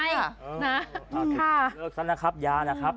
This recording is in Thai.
เลือกซักนะครับยานะครับ